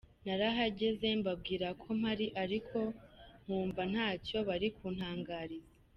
Narahageze mbabwira ko mpari ariko nkumva ntacyo bari kuntangariza.